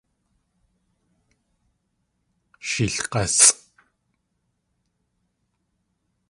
Sh eelg̲ásʼ!